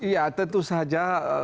ya tentu saja